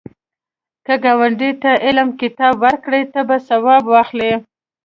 که ګاونډي ته علمي کتاب ورکړې، ته به ثواب واخلی